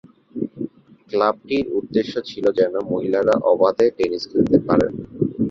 ক্লাবটির উদ্দেশ্য ছিলো যেন মহিলারা অবাধে টেনিস খেলতে পারেন।